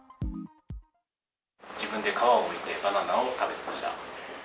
自分で皮をむいて、バナナを食べてました。